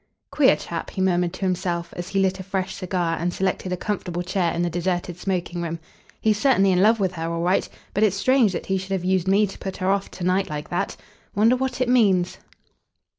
"Queer chap," he murmured to himself, as he lit a fresh cigar and selected a comfortable chair in the deserted smoking room. "He's certainly in love with her all right, but it's strange that he should have used me to put her off to night like that. Wonder what it means."